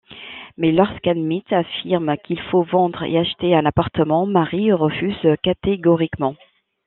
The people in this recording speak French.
Mais lorsqu'Aminthe affirme qu'il faut vendre et acheter un appartement, Marie refuse catégoriquement...